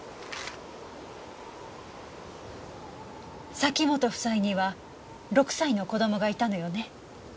崎本夫妻には６歳の子供がいたのよね？